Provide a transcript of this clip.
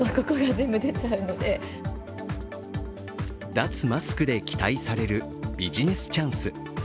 脱マスクで期待されるビジネスチャンス。